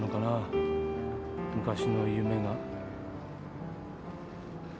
昔の夢が。